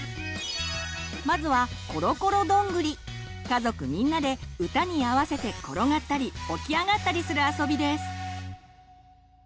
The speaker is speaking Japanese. まずは家族みんなで歌に合わせて転がったりおきあがったりするあそびです！